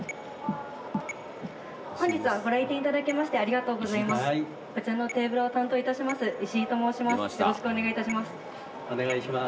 本日はご来店いただきましてありがとうございます。